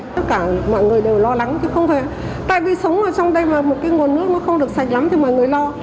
tất cả mọi người đều lo lắng chứ không phải tại vì sống ở trong đây mà một cái nguồn nước nó không được sạch lắm thì mọi người lo